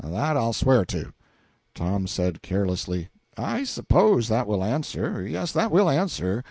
That I'll swear to!" Tom said carelessly "I suppose that will answer yes, that will answer.